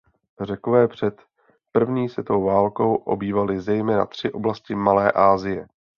Řekové před první světovou válkou obývaly zejména tři oblasti Malé Asie.